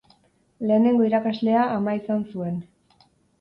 Lehenengo irakaslea ama izan zuen.